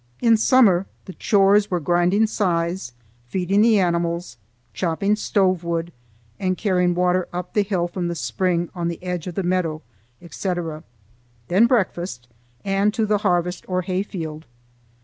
In summer the chores were grinding scythes, feeding the animals, chopping stove wood, and carrying water up the hill from the spring on the edge of the meadow, etc. Then breakfast, and to the harvest or hay field.